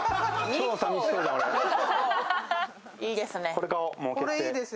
これ買おう、もう決定。